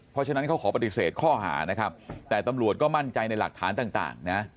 เพราะฉะนั้นเขาขอปฏิเสธข้อหานะครับแต่ตำรวจก็มั่นใจในหลักฐานต่างนะ